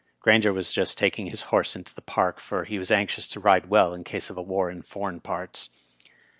Grainger was just taking his horse into the Park, for he was anxious to ride well in case of a war in foreign parts.